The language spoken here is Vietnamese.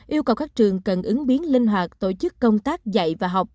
yêu cầu các trường cần ứng biến linh hoạt tổ chức công tác dạy và học